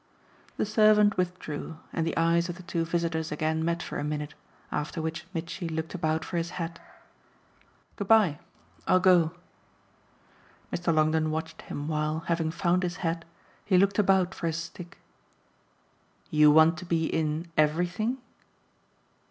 The servant withdrew, and the eyes of the two visitors again met for a minute, after which Mitchy looked about for his hat. "Good bye. I'll go." Mr. Longdon watched him while, having found his hat, he looked about for his stick. "You want to be in EVERYTHING?"